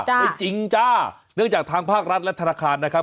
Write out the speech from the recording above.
ไม่จริงจ้าเนื่องจากทางภาครัฐและธนาคารนะครับ